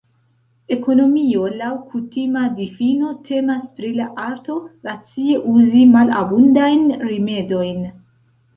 Ekonomio laŭ kutima difino temas pri la arto racie uzi malabundajn rimedojn.